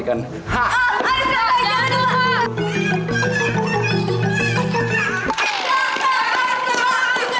aduh kak jangan jangan